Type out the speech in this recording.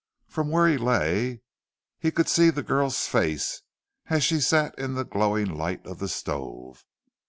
From where he lay, he could see the girl's face, as she sat in the glowing light of the stove.